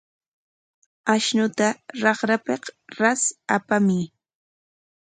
Ashnuta raqrapik ras apamuy.